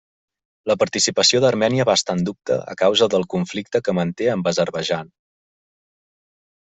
La participació d'Armènia va estar en dubte a causa del conflicte que manté amb Azerbaidjan.